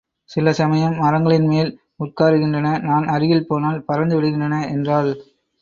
சில சமயம் மரங்களின்மேல் உட்காருகின்றன நான் அருகில் போனால் பறந்து விடுகின்றன என்றாள்.